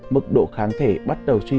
mức độ kháng thể bắt đầu chuyên